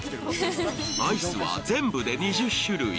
アイスは全部で２０種類。